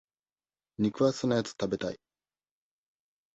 肉厚なやつ食べたい。